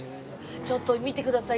ちょっと見てください